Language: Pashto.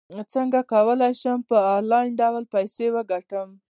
څنګه کولی شم په انلاین ډول پیسې وګټم